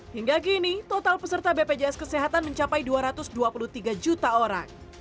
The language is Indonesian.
hingga kini total peserta bpjs kesehatan mencapai dua ratus dua puluh tiga juta orang